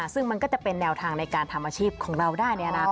ซึ่งมันก็จะเป็นแนวทางในการทำอาชีพของเราได้ในอนาคต